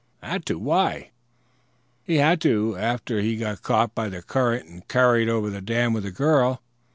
"Had to? Why " "He had to after he got caught by the current and carried over the dam with the girl.